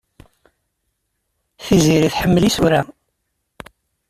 Tiziri tḥemmel isura.